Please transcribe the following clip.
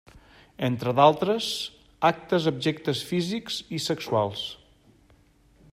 Entre d'altres, actes abjectes físics i sexuals.